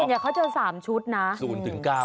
ส่วนใหญ่เขาก็จะ๓ชุด